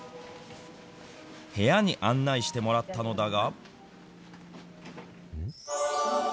部屋に案内してもらったのだが。